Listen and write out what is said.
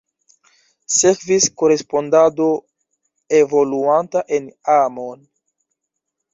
Sekvis korespondado evoluanta en amon.